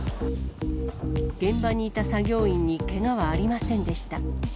現場にいた作業員にけがはありませんでした。